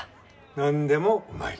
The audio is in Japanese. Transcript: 何でもうまい。